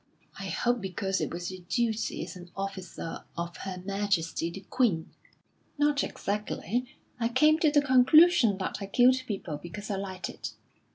"I hope because it was your duty as an officer of Her Majesty the Queen." "Not exactly. I came to the conclusion that I killed people because I liked it.